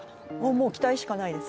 もう期待しかないです。